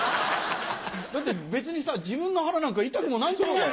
だって別にさ自分の腹なんか痛くも何ともないのに。